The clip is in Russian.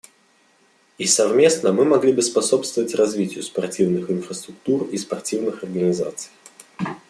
И совместно мы могли бы способствовать развитию спортивных инфраструктур и спортивных организаций.